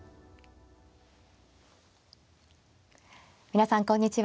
皆さんこんにちは。